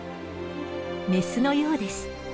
メスのようです。